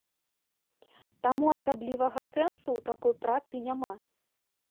Таму асаблівага сэнсу ў такой працы няма.